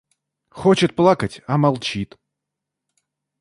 – Хочет плакать, а молчит.